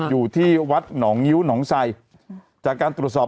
อยู่ที่วัดหนองงิ้วหนองไสจากการตรวจสอบ